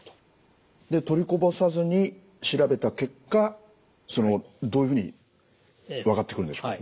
で取りこぼさずに調べた結果どういうふうに分かってくるんでしょうか？